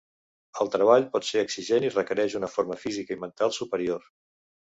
El treball pot ser exigent i requereix una forma física i mental superior.